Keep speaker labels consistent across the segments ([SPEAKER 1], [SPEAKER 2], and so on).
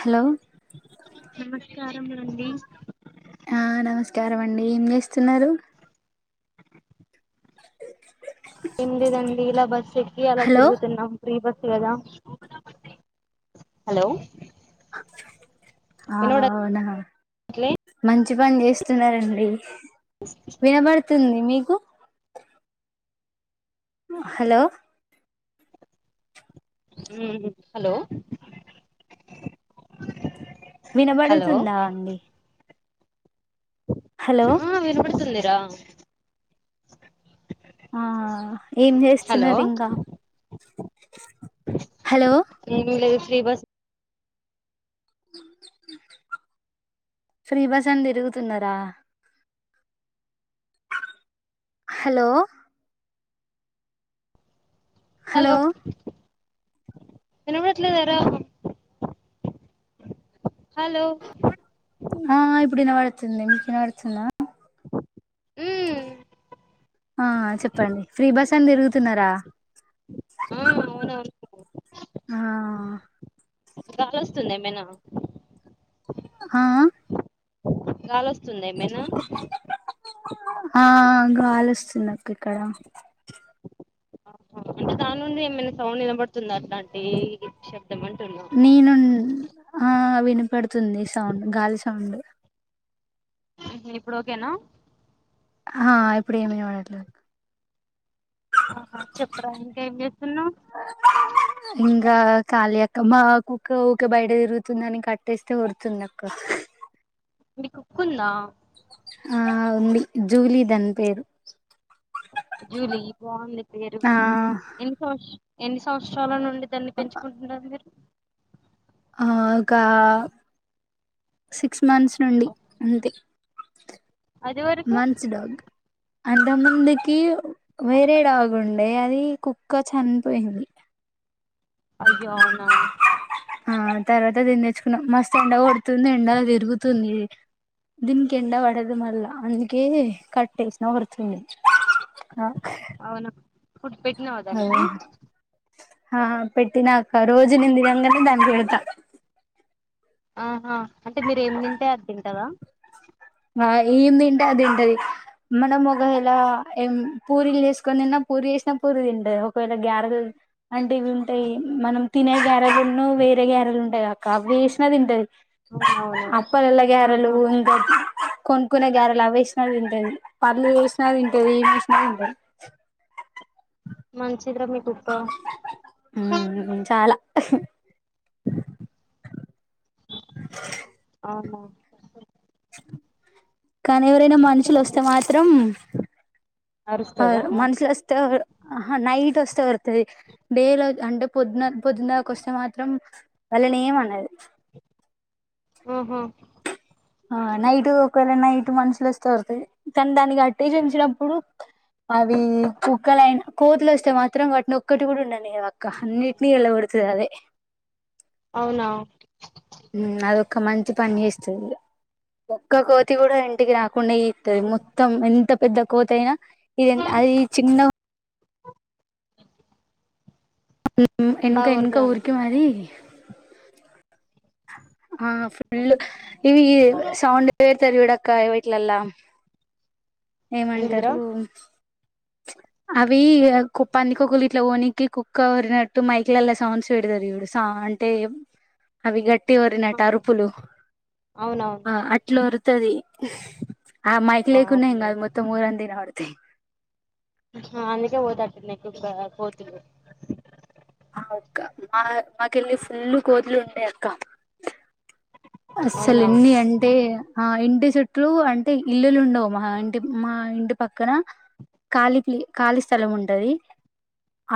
[SPEAKER 1] Hello
[SPEAKER 2] నమస్కారం అండి
[SPEAKER 1] కారంమండి ఏం చేస్తున్నారు
[SPEAKER 2] ఏం లేదండి ఇలా బస్ ఎక్కి అలా
[SPEAKER 1] హలో
[SPEAKER 2] తిరుగుతునం ప్రీ బస్ కదా హలో
[SPEAKER 1] అ
[SPEAKER 2] వినపడట్లే
[SPEAKER 1] అవునా మంచి పని చేస్తున్నారండి వినబడుతుంది మీకు హలో
[SPEAKER 2] ఉహ్ హలో హలో
[SPEAKER 1] వినబడుతుందా అండి హలో
[SPEAKER 2] ఆ వినపడుతుందిరా
[SPEAKER 1] ఆ ఏం చేస్తున్నారు ఇంకా హలో
[SPEAKER 2] ఉందిలే ఫ్రీ బస్
[SPEAKER 1] ఫ్రీ బస్ అని తిరుగుతున్నారా హలో
[SPEAKER 2] హలో వినబడట్లేదరా
[SPEAKER 1] ఆ ఇప్పుడు వినపడుతుంది వినపడుతుందా
[SPEAKER 2] మ్మ్
[SPEAKER 1] ఆ చెప్పండి ఫ్రీ బస్ అని తిరుగుతున్నారా
[SPEAKER 2] ఆ అవునవును
[SPEAKER 1] ఆ
[SPEAKER 2] గాలి వస్తుంద ఏమైనా
[SPEAKER 1] ఆ
[SPEAKER 2] గాలి వస్తుందా ఏమైనా
[SPEAKER 1] ఆ గాలిస్తుంది నాకు ఇక్కడ
[SPEAKER 2] ఆహ అంటే దాని నుండి ఏమైనా సౌండ్ నినబడుతుందా అట్లా అంటి
[SPEAKER 1] నేనుం ఆ వినిపడుతుంది సౌండ్ గాలి సౌండ్
[SPEAKER 2] ఇప్పుడు ఓకేనా
[SPEAKER 1] ఆ ఇప్పుడు ఏం వినపడ్లే
[SPEAKER 2] ఆ చెప్పరా ఇంకా ఏం చేస్తున్నావ్
[SPEAKER 1] ఇంకా కాల అక్క మా కుక్క ఒక బయట తిరుగుతుందని కట్టేస్తే వరుతుంది అక్క
[SPEAKER 2] మీ కుక్కుంద
[SPEAKER 1] ఆ ఉంది జూలీ దని పేరు
[SPEAKER 2] జూలి బాగుంది పేరు
[SPEAKER 1] ఆ
[SPEAKER 2] ఎన్ని సంవస ఎన్ని సంవత్సరాల నుండి దాన్ని పెంచుకుంటున్నారు మీరు
[SPEAKER 1] ఆ ఒక సిక్స్ మంత్స్ నుండి అంతే
[SPEAKER 2] అది వరకు
[SPEAKER 1] మంత్స్ డాగ్ అంత ముందుకి వేరే డాగ్ ఉండే అది కుక్క చనిపోయింది
[SPEAKER 2] అయ్యో అవునా
[SPEAKER 1] ఆ తర్వాత అది తెచ్చుకున్నా మస్తు ఎండ కొడుతుంది ఎండ తరుగుతుంది దిన్ గెడా వడదు మళ్ల్ళ అందుకే కట్టేసిన వోర్తుంది ఆ
[SPEAKER 2] అవునా ఫుడ్ పెట్టినావా దానికి
[SPEAKER 1] ఆ పెట్టినాక రోజు నేను దినంగానే దానికి పెడతా
[SPEAKER 2] ఆహా అంటే మీరు ఏం తింటే అది తింటాద
[SPEAKER 1] ఆ ఏమి తింటే అది తింటది మన ఒక ఎలా ఏం పూరీలు వేసుకొని తిన్న పూరి చేసిన పూరి తింటది ఒక వేళ గ్యార్ అంటే ఇవి ఉంటాయి మనం తినే గ్యారేజులను వేరే గ్యారజలు ఉంటాయి అక్క అ వేసిన తింటది
[SPEAKER 2] అవునవును
[SPEAKER 1] అప్పలల్ల గారెలు
[SPEAKER 2] ఆహా
[SPEAKER 1] ఇంకా కొనుక్కునే గారెలు అవ్వేసినా తింటది పళ్ళ చూసినా తింటది ఏ చూసినా తింటది
[SPEAKER 2] మంచి
[SPEAKER 1] ఆ చాలా
[SPEAKER 2] ఆనా
[SPEAKER 1] కానీ ఎవరైనా మనుషులు
[SPEAKER 2] ఇంకేం
[SPEAKER 1] వస్తే మాత్రం ఆ
[SPEAKER 2] అరుస్తదా
[SPEAKER 1] మనుషులు వస్తే ఆహా నైట్ వస్తే ఓరుతది డేలో అంటే పొద్దున పొద్దున్నాక వస్తే మాత్రం అలాని ఏం అనది
[SPEAKER 2] ఓహ్
[SPEAKER 1] ఆ నైట్ ఒకవేళ నైట్ మనుషులు వస్తేరుతాయి కానీ దానికి అట్టే చేంచినప్పుడు అవి కుక్కలయినా కోతులు వస్తే మాత్రం వాటిని ఒక్కటి కూడా ఉండాలి ఏమో అక్క అన్నిటిని ఎళ్ళ ఒడుతుద అదే
[SPEAKER 2] అవునా
[SPEAKER 1] అదొక్క మంచి పని చేస్తుంది ఒక్క కోతి కూడా ఇంటికి రాకుండా ఇ ఇస్తుంది మొత్తం ఎంత పెద్ద కోతి అయినా ఇదంత అది చిన్నగా ఎనాకా
[SPEAKER 2] బాగా
[SPEAKER 1] ఎనకా ఊరికి
[SPEAKER 2] ఒరుతదన్నమాట
[SPEAKER 1] మరీ ఆ ఫుల్ ఇవి సౌండ్ వేర్తారు ఇడ కాయ వట్లలా
[SPEAKER 2] ఏంటిదిరా
[SPEAKER 1] ఏమంటారు అవి కుప్ప పందికొక్కులు ఇట్లా ఓనికినికి కుక్క కోరినట్టు మైక్లలా సౌండ్స్ పెడతారు ఇవిడుస అంటే అవి గట్టి పట్టి వరినట్ అరుపులు
[SPEAKER 2] అవునవును
[SPEAKER 1] ఆ అట్లా వరుతది ఆ మైక్ లేకున్నా
[SPEAKER 2] వామ్మో
[SPEAKER 1] ఎంగాదు మొత్తం ఊరంతా ఇనపడతాయి
[SPEAKER 2] ఆ అందుకే పోతాట్టున్నాయి కొ కోతులు
[SPEAKER 1] ఆ అక్క మా మాకెళ్ళి ఫుల్ కోతులు ఉండే అక్క అస్సలు
[SPEAKER 2] అవునా
[SPEAKER 1] ఎన్ని అంటే ఆ ఇంటి చుట్లు అంటే ఇల్లులు ఉండవు మా ఇంటి మా ఇంటి పక్కన ఖాళీ ప్లి ఖాళీ స్థలం ఉంటది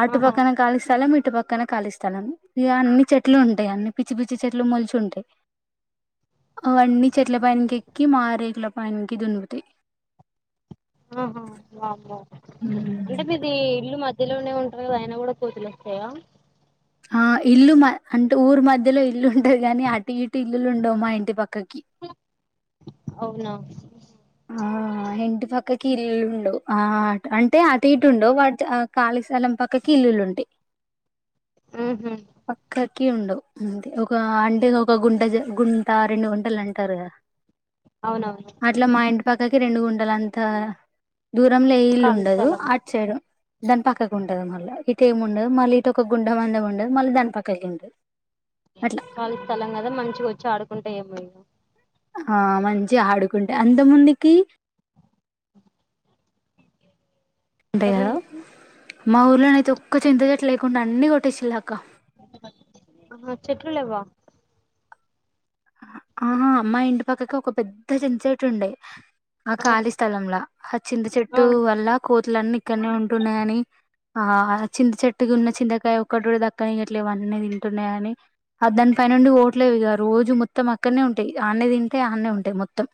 [SPEAKER 1] ఆటు
[SPEAKER 2] ఆహా
[SPEAKER 1] పక్కన ఖాళీ స్థలం ఇ ఇటు పక్కన ఖాళీ స్థలం ఇగ అన్ని చెట్లు ఉంటయి అన్ని పిచ్చి పిచ్చి చెట్లు మొలిచి ఉంటయి అవన్నీ చెట్ల పైనికి ఎక్కి మా రేకుల పైనికి దునుకుతయి
[SPEAKER 2] ఆహా వామ్మో అంటే మీది ఇల్లు మొ మధ్యలోనే ఉంటరు కదా అయినా కూడ కోతులు ఒస్తాయా
[SPEAKER 1] ఆ ఇల్లు మా అంటు ఊరి మధ్యలో ఇల్లు ఉంటది కాని అటు ఇటు ఇల్లులు ఉండవు మా ఇంటి పక్క పక్కకి
[SPEAKER 2] అవునా
[SPEAKER 1] ఆ ఆ ఇంటి పక్కకి ఇల్లులుండవ్ ఆ అంటే అటు ఇటు ఉండవు వాటి ఖాళీ స్థలం పక్కకి ఇల్లులుంటయి
[SPEAKER 2] ఉహు
[SPEAKER 1] కి ఉండవు అంతే ఒక అంటే ఒక గుంట జె గుంట రెండు గుంటలు అంటారు గదా
[SPEAKER 2] అవునవును
[SPEAKER 1] పక్కకి రెండు గుంటల అంతా దూరంల ఇల్లు
[SPEAKER 2] ఖాళీ
[SPEAKER 1] ఉండదు
[SPEAKER 2] స్థలం
[SPEAKER 1] అట్ సైడ్ దాని పక్కకు ఉంటది మళ్ళా ఇ కేము ఉండదు మళ్ళీ ఇటు ఒక గుండ మందం ఉండదు మళ్ళ దానిపక్కకి ఉంటది అట్లా
[SPEAKER 2] ఖాళీ స్థలం కదా మంచిగా వోచ్చి ఆడుకుంటయి అవి
[SPEAKER 1] ఆ మంచిగా ఆడుకుంటాయ్ అంత ముందుకి
[SPEAKER 2] ఎంత
[SPEAKER 1] ఉంటాయి కదా
[SPEAKER 2] మంది
[SPEAKER 1] మా ఊర్ళలనైతే ఒక్క చింత చెట్టు లేకుండా అన్ని కొట్టేసిల్ అక్క
[SPEAKER 2] ఆ చెట్లు లెవ్వ
[SPEAKER 1] ఆహా మా ఇంటి పక్కకు ఒక పెద్ద చింత్ చెట్టు ఉండే ఆ ఖాళీ స్థలంలా ఆ చింత
[SPEAKER 2] ఆ
[SPEAKER 1] చెట్టు వల్ల కోతులన్నీ ఇక్కనే ఉంటున్నాయని ఆ చింత చెట్టుకు ఉన్న చింతకాయ ఒకటి కూడ దక్కనియట్లేవన్నీ తింటున్నయిని అ దాని పైనినుండి ఓట్లేవి రోజు మొత్తం అక్కడనే ఉంటయి ఆన్నే తింటయి ఆన్నే ఉంటయి మొత్తం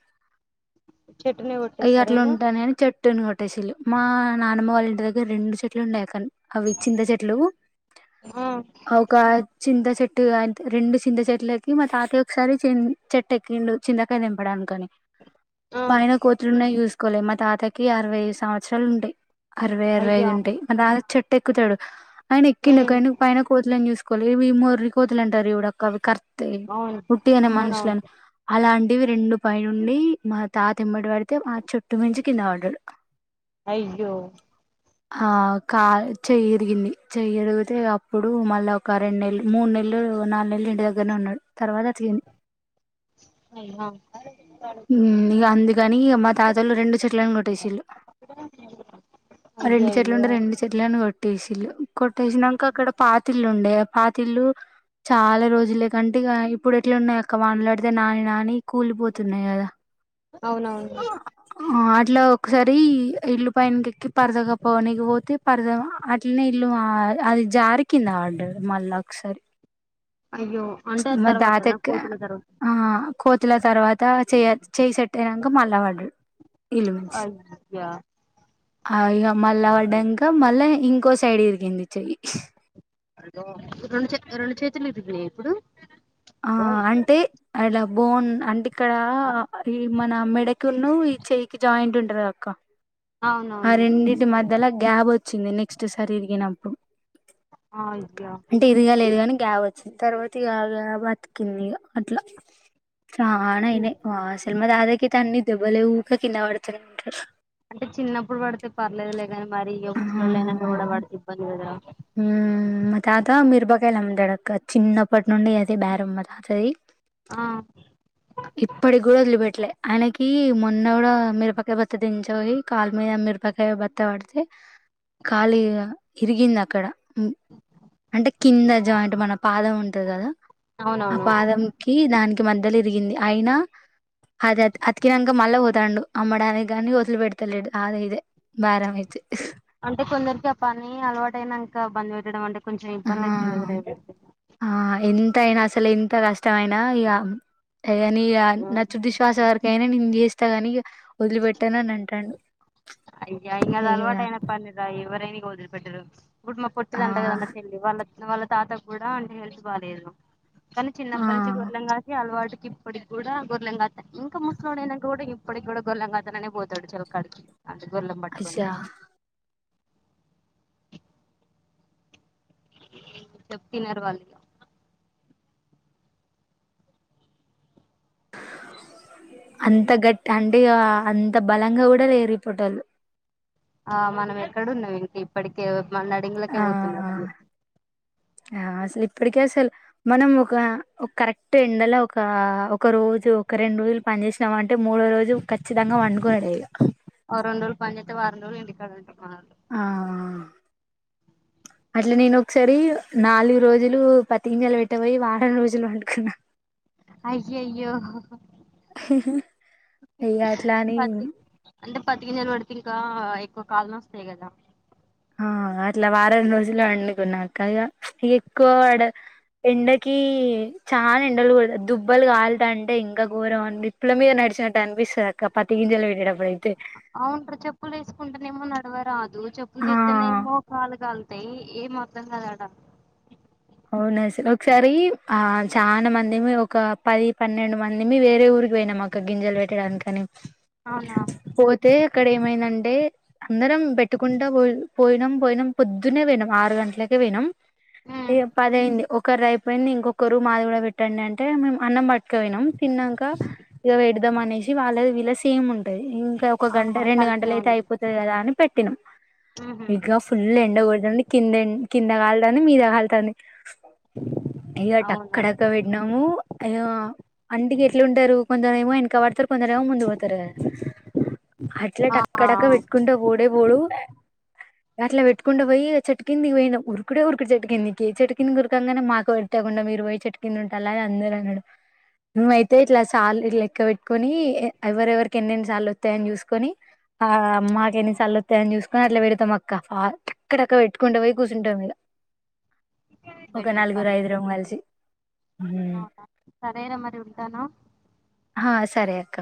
[SPEAKER 2] చెట్టునే
[SPEAKER 1] ఇగ
[SPEAKER 2] కొట్టేసారా
[SPEAKER 1] అట్ల ఉంటానయని చెట్ చెట్టును కొట్టేసిల్లు మా నానమ్మ వాళ్ల ఇంటి దగ్గర రెండు చెట్లు ఉండే కా అవి చింత చెట్లు
[SPEAKER 2] ఆ
[SPEAKER 1] ఒక చింత చెట్టు అం రెండు చింత చెట్లు ఎక్కి మా తాత ఒకసారి చెట్టు ఎక్కిండు చింతకాయ తెంపడానికని
[SPEAKER 2] ఆ
[SPEAKER 1] పైన కోతులున్నయి చూసుకోలే మా తాతకి అరవై సంవత్సరాలు ఉంటయి అరవై అరవై ఐదు
[SPEAKER 2] అయ్యా
[SPEAKER 1] ఉంటయి మా తాత చెట్టు ఎక్కుతడు ఆయన ఎక్కిండు
[SPEAKER 2] ఉమ్
[SPEAKER 1] కాని పైన కోతులను చూస్ కొలివి మొర్రి కోతులు అంటారు చూడకా అవి కర్తయి
[SPEAKER 2] అవును
[SPEAKER 1] ఉట్టిగనె మనుషులని
[SPEAKER 2] అవునవును
[SPEAKER 1] అలాంటివి రెండు పైనుండి మాతెంబటి పడితే మా చెట్టు మించి కింద పడ్డడు
[SPEAKER 2] అయ్యో
[SPEAKER 1] ఆ కా చెయిరిగింది చెయరిగుతే అప్పుడు మళ్ళ ఒక రెండ్నెల్లు మూడ్నెల్లు నల్రు నాల్నెల్లు ఇంటి దగ్గరనే ఉన్నడు తర్వాత అతికింది
[SPEAKER 2] అయ్యో
[SPEAKER 1] ఊ ఇగ అందుకని ఇగ మా తాతొల్లు రెండు చెట్లలను కొట్టేసిళు
[SPEAKER 2] అయ్యో
[SPEAKER 1] రెండు చెెట్లు
[SPEAKER 2] అయ్యో
[SPEAKER 1] ఉండే రెండు చెెట్లను కొట్టేశిలు కొట్టేసినంక అక్కడ పాతిల్లు ఉండే పాతిల్లు చాలా రోజులే కంటే ఇగ ఇప్పుడు ఎట్ల ఉన్నయి అక్క వనలాడితే నాని నాని కూల్ తున్నయి గదా
[SPEAKER 2] అవునవును
[SPEAKER 1] ఇట్ల ఒకసారి ఇల్లు పైనకి ఎక్కి పరదగప్పవానికి పోతే పరద అట్లనే ఇల్లు అది జారికింద పడ్డారు మళ్ళా ఒకసారి
[SPEAKER 2] అయ్యో అంటే
[SPEAKER 1] మ
[SPEAKER 2] తర్వాత నా
[SPEAKER 1] తాతక్
[SPEAKER 2] కోతుల తర్వాత
[SPEAKER 1] ఆ కోతుల తర్వాత చే చేసేట్టు అయంక మల్ల పడ్డాడ్ ఇలివంచి
[SPEAKER 2] అయ్యా
[SPEAKER 1] ఆ ఇక మళ్ళీ పడ్డంక క మళ్ళా ఇంకో సైడ్ ఇరిగింది చెయ్యి
[SPEAKER 2] రెండు చే రెండు చేతులు ఇరిగినియి ఇప్పుడు
[SPEAKER 1] ఆ అంటే అలా బోన్ అంటే ఇక్కడ ఈ మన మెడకున్న ఈ చెయకిి జాయింట్ ఉంటది అక్క ఆ
[SPEAKER 2] అవునవును
[SPEAKER 1] రెండింటి మధ్యలో గ్యాబ్ వచ్చింది నెక్స్ట్ సారి ఇరిగినప్పుడు
[SPEAKER 2] అయ్యో
[SPEAKER 1] అంటే ఇదిగా లేదుగాని గ్యాప్ వచ్చింది తర్వాత్ బతిగాగా బతికిందిదిగ అట్లా చానయినా వాసలుమా దాదాకి అన్ని దెబ్బలే ఉకే కింద పడుతున్నాంటారు
[SPEAKER 2] అే చిన్నప్పుడు పడితే పర్లేదులేగాని మరి ఇగ ముసలోళ్ళు అయినాక కూడా పడితే ఇబ్బంది కదా
[SPEAKER 1] ఉ మా తాత మిరపకాయలు అమ్ముతాడక్క చిన్నప్పటి నుండి అది బేరమ్ మా తాతది
[SPEAKER 2] ఆ
[SPEAKER 1] ఇప్పట్గూడ వదిలి బెట్ ట్ల ఆయనకి మొన్న కూడా మీరపకాయ బస్త దించబోయి కాలికి మ మిరపకాయ భత్త పడితే కాలి ఇరిగింది అక్కడ అంటే కింద జాయింట్ మన పాదం ఉంటది కదా ఆ
[SPEAKER 2] అవునవును
[SPEAKER 1] పాదం కి దానికి మద్యలో ఇరిగింది అయినా అది అతికినాక మళ్ళా పోతాండు అమ్మడానికి కాని వదిలి పెడతలేడు అమీదే భారమైత్
[SPEAKER 2] ఇంట్లోబందెట్టడం అంటే కొంచెం ఇబ్బంది అవుతుంది కదా రే
[SPEAKER 1] అయినా అసలు ఎంత కష్టమయినా ఇగ నియా నచ్చుదిశ్వాస వరకయినా నేను చేస్తాగాని వదిలిపెట్టను అని అంటండు
[SPEAKER 2] అయ్యా ఇంకది అలవాటైనా పనిరా ఎవరైనా ఇగ వదిలి పెట్టరు ఇప్పుడు మా
[SPEAKER 1] ఆ
[SPEAKER 2] పొట్టిది అంటది మా చెల్లి వాళ్ళ వాళ్ళ తాతకు కూడా అంటే హెల్త్ బాలేదు కానీ
[SPEAKER 1] ఆ
[SPEAKER 2] చిన్నపట్నుంచి గొర్లని కాసి అలవాటు ఇప్పటికి కూడా గొర్లని కాస్త ఇంకా ముసలోడనాక కూడా ఇప్పటికి కూడా గొర్లని కాస్త అనే పోతాడు చెరువుక్కడికి అంటే గొర్లని పట్టుకొని
[SPEAKER 1] అయ్యా
[SPEAKER 2] చెప్పినారువాళ్ళు ఇగ
[SPEAKER 1] అంత గట్టి అంటే అంత బలంగా కూడా లేరు ఇప్ప టోళ్ళు
[SPEAKER 2] ఆ మనం ఎక్కడున్నావి ఇంకా ఇప్పటికే మ
[SPEAKER 1] ఆ
[SPEAKER 2] నడుమువంగలేక పోతున్నారు అందరు
[SPEAKER 1] ఆ అసలు ఇప్పటిక అసలు మనం ఒక ఒక కరెక్ట్ ఎండలో ఒక ఒక రోజు ఒక రెండు రోజులు పని చేేసినా అంటే మూడో రోజు ఖచ్చితంగా వండుకునిడు ఇక
[SPEAKER 2] ఒక రెండు రోజులు పనిచేస్తే వారం రోజులు ఇంటికాడినే
[SPEAKER 1] ఆ అట్లా నేను ఒకసారి నాలుగు రోజులు పత్తి గింజాలు పెట్టబోయి వారం రోజులు పండుకున్నా
[SPEAKER 2] అయ్యో అయ్యో
[SPEAKER 1] ఇగ అట్లా అని
[SPEAKER 2] పత్తి అంటే పత్తి గింజలు పడితే ఇంకా ఎక్కువ కాళ్లు నోస్తయగదా
[SPEAKER 1] ఆ అట్లా వారం రోజులు వండుకున్నాక ఇగ ఇక ఎక్కువ ఆడ ఎండకి చాలా ఎండలు దుబ్బలు కాలతా అంటే ఇంకా ఘోరం అ నిప్పుల మీద నడి చింనట్టు అనిపిస్తాది
[SPEAKER 2] అవును చెప్పులు వేసుకుంటే నడవరాదు చెప్పులు
[SPEAKER 1] ఆ
[SPEAKER 2] తిస్తనేమో కాలు కల్తాయి ఏం అర్ధం కాదు అడా
[SPEAKER 1] అవునా సార్ ఒకసారి ఆ చాలా మందిమి ఒక పది పన్నెండు మందిమి వేరే ఊరు పోయనాము గింజలు పెట్టడానికి అని
[SPEAKER 2] అవునా
[SPEAKER 1] పోతే అక్కడ ఏమైందంటే అందరం పెట్టుకుంటా పో పోయినాం పోయినాం పొద్దునే పోనం ఆరు గంటలకే పోయనాం ఏ
[SPEAKER 2] ఉమ్
[SPEAKER 1] పది అయింది ఒక ఒకరు అయిపోయింది ఇంకొకరు మాది కూడా పెట్టండి అంటే మేము అన్నం పట్టుకపోయినాం తిన్నాక పెట్టేద్దాం అనేసి వాళ్ళ వీలా సేమ్ ఉంటుది ఇంకా ఒక గంట
[SPEAKER 2] ఆహా
[SPEAKER 1] రెండు
[SPEAKER 2] కలిసే
[SPEAKER 1] గంటల అయితే
[SPEAKER 2] ఉంది
[SPEAKER 1] అయిపోతుంది కదా అని పెట్టినాం
[SPEAKER 2] ఉహు
[SPEAKER 1] ఇగా ఫుల్ ఎండగడని కింద కింద కాల్ తాంది మీద కల్ ది ఇక
[SPEAKER 2] అవునా
[SPEAKER 1] టక్కడక్క పెడినాము అయ అంటికి ఎట్లు ఉంటారు కొంచం ఏమో వెనక పడతారు కొందరు ముందు పోతారు కదా అట్లా
[SPEAKER 2] ఆ
[SPEAKER 1] టక్క టక్క పెట్టుకుంటా పోతా డే పోడు అట్లా పెట్టుకుంటడా పోయిక చెట్టుకింది పోయిన ఉరుకుడే ఉరుకుడు చెట్టుకింది చెట్టు కిందకి ఉరకంగానేమాకు పెడితే కూడాండా మీరు పోయ చెట్ కంద ఉంటారు అది అందరూ అన్నారూ నువ్వైతే ఇట్లా సార్ ఇ లక్క పెట్టుకొని ఎవరెవరికి ఎన్నెన్ని సార్లు వస్తాయని చూసుకొని ఏ మాకు ఎన్నిసార్లు వస్తాయని చూసుకొని అట్లా పెడతాం అక్క ఫటక్క టక్క పెట్టుకుంటా పోయి కూర్చుంటం ఇగా ఒక
[SPEAKER 2] బెటర్
[SPEAKER 1] నాలుగురు
[SPEAKER 2] పని
[SPEAKER 1] ఐదుగురం కలిసి హ్మ్.
[SPEAKER 2] అవునా సరయైన మరి ఉంటాన
[SPEAKER 1] ఆ సరే అక్క